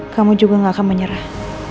kamu juga gak akan menyerah